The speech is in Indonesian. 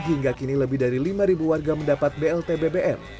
hingga kini lebih dari lima warga mendapat blt bbm